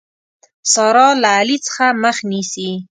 سارا له علي څخه مخ نيسي.